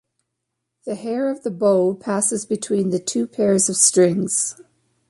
The hair of the bow passes between the two pairs of strings.